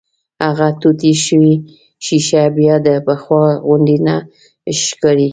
هغه ټوټې شوې ښيښه بيا د پخوا غوندې نه ښکاري.